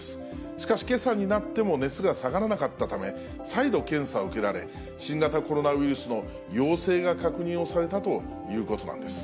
しかしけさになっても熱が下がらなかったため、再度検査を受けられ、新型コロナウイルスの陽性が確認をされたということなんです。